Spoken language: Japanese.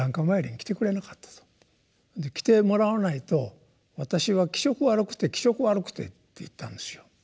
「来てもらわないと私は気色悪くて気色悪くて」って言ったんですよ。